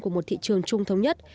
của một thị trường chung thống nhất